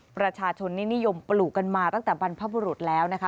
ประชาชนนิยมปลูกกันมาตั้งแต่บรรพบุรุษแล้วนะคะ